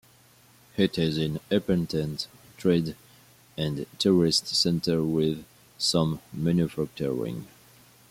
It is an important trade and tourist center with some manufacturing.